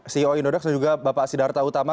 ceo indodax dan juga bapak sidarta utama